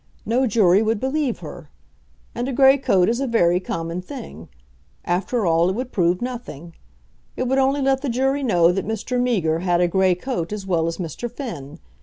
No jury would believe her. And a grey coat is a very common thing. After all, it would prove nothing. It would only let the jury know that Mr. Meager had a grey coat as well as Mr. Finn.